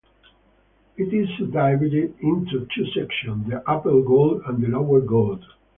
It is subdivided into two sections, the Upper Gault and the Lower Gault.